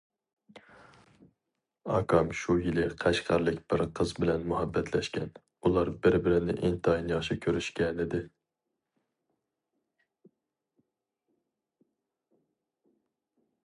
ئاكام شۇ يىلى قەشقەرلىك بىر قىز بىلەن مۇھەببەتلەشكەن، ئۇلار بىر- بىرىنى ئىنتايىن ياخشى كۆرۈشكەنىدى.